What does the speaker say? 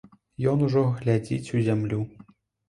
Ён ужо глядзіць у зямлю.